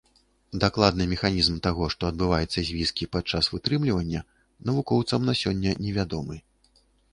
Дакладны механізм таго, што адбываецца з віскі падчас вытрымлівання, навукоўцам на сёння невядомы.